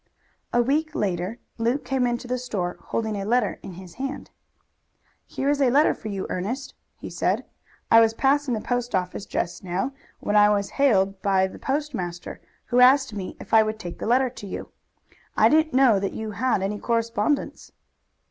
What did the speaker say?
A week later Luke came into the store, holding a letter in his hand. "Here is a letter for you, Ernest," he said. "I was passing the post office just now when I was hailed by the postmaster, who asked me if I would take the letter to you. I didn't know that you had any correspondents."